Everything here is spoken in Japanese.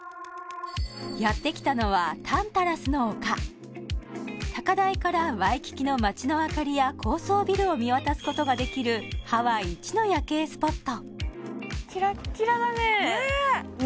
やって来たのはタンタラスの丘高台からワイキキの街の明かりや高層ビルを見渡すことができるハワイ一の夜景スポット